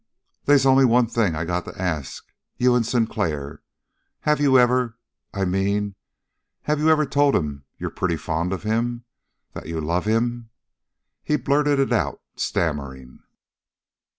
"They's only one thing I got to ask you and Sinclair have you ever I mean have you ever told him you're pretty fond of him that you love him?" He blurted it out, stammering.